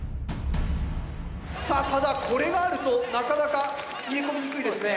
さあただこれがあるとなかなか入れ込みにくいですね。